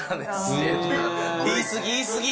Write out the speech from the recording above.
言いすぎ言いすぎ！